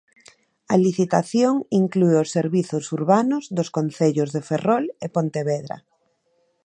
A licitación inclúe os servizos urbanos dos concellos de Ferrol e Pontevedra.